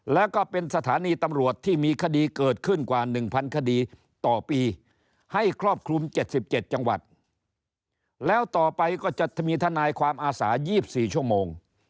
แล้วก็เป็นสถานีตำรวจที่มีคดีเกิดขึ้นกว่า๑๐๐คดีต่อปีให้ครอบคลุม๗๗จังหวัดแล้วต่อไปก็จะมีทนายความอาสา๒๔ชั่วโมง